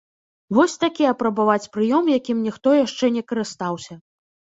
Вось такі апрабаваць прыём, якім ніхто яшчэ не карыстаўся.